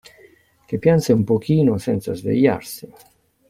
Che pianse un pochino senza svegliarsi.